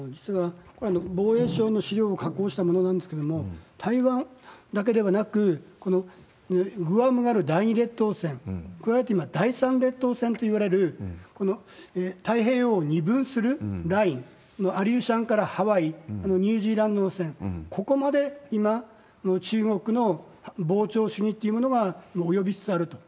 これは防衛省の資料を加工したものなんですけれども、台湾だけではなく、このグアムがある第２列島線、加えて今、第３列島線といわれる、この太平洋を二分するライン、アリューシャンからハワイ、ニュージーランドの線、ここまで今、中国の膨張主義っていうものが及びつつあると。